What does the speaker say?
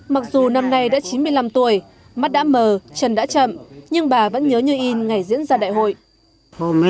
mặc dù năm nay đã chín mươi năm tuổi mắt đã mờ chân đã chậm nhưng bà vẫn nhớ như in ngày diễn ra đại hội